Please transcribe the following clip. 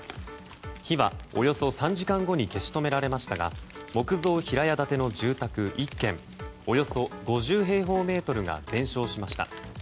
火はおよそ３時間後に消し止められましたが木造平屋建ての住宅１軒およそ５０平方メートルが全焼しました。